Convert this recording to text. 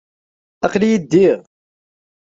Aql-iyi ddiɣ.